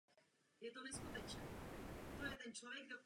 Celé území je tektonicky stále aktivní.